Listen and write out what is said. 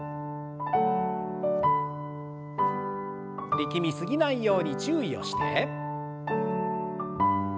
力み過ぎないように注意をして。